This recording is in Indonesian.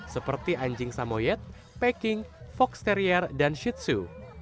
seperti anjing samoyed peking fox terrier dan shih tzu